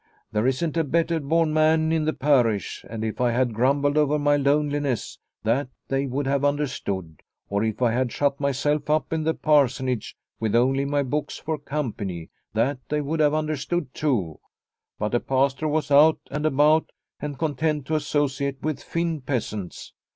There isn't a better born man in the parish, and if I had grumbled over my loneliness, that they would have understood. Or if I had shut myself up in the Parsonage with only my books for company, that they would have understood too. But a Pastor who was out and about and content to associate with Finn peasants